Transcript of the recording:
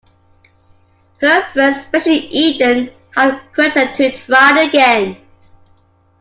Her friends, especially Eden, have encouraged her to try it again.